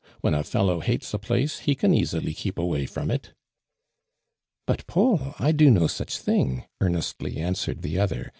When a fellow hates a place he can easily keep away i'ron:^ it." "But, Paul, I do no suph thing !' earnent ly aviswered the other.